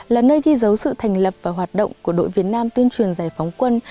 là nơi ghi dấu sự thành lập và hoạt động của đội việt nam tuyên truyền giải phóng quân